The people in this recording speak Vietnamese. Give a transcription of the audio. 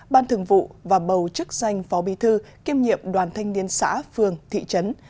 ban thường vụ và bầu chức danh phó bi thư kiêm nhiệm đoàn thanh niên xã phường thị trấn